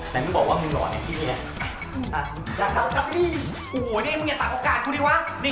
สวัสดีครับ